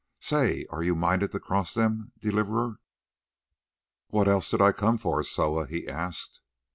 Say, are you minded to cross them, Deliverer?" "What else did I come for, Soa?" he asked.